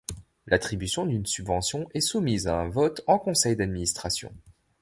L'attribution d'une subvention est soumise à un vote en conseil d'administration.